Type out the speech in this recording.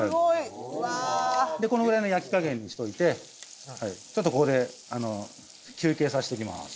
うわこのぐらいの焼き加減にしといてちょっとここで休憩させておきます